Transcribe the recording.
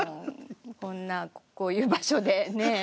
こんなこういう場所でねえ。